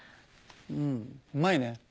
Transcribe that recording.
うんうまいね。